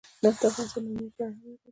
نفت د افغانستان د امنیت په اړه هم اغېز لري.